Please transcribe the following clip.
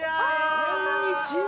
◆こんにちは。